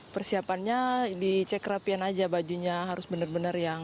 persiapannya dicek rapian aja bajunya harus benar benar yang